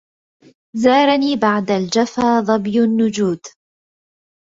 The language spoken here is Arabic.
زارني بعد الجفا ظبي النجود